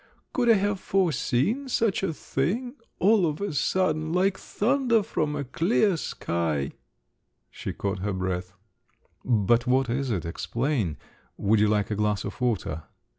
Could I have foreseen such a thing? All of a sudden, like thunder from a clear sky …" She caught her breath. "But what is it? Explain! Would you like a glass of water?"